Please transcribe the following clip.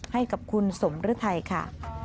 ให้กับคุณสมฤทัยค่ะ